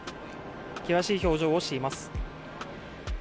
険しい表情をしています。